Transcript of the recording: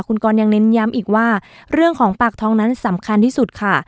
คุณกรยังเน้นย้ำอีกว่าเรื่องของปากท้องนั้นสำคัญที่สุดค่ะ